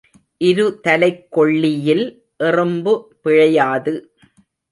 இருதலைக் கொள்ளியில் எறும்பு பிழையாது.